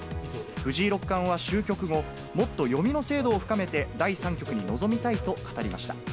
藤井六冠は終局後、もっと読みの精度を深めて、第３局に臨みたいと語りました。